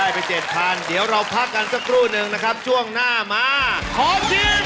ไปเจ็ดพันเดี๋ยวเราพักกันสักครู่นึงนะครับช่วงหน้ามาของจริง